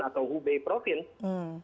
kembali ke bayi provinsi